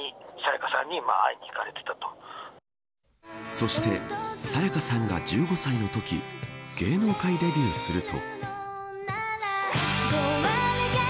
そして沙也加さんが１５歳のとき芸能界デビューすると。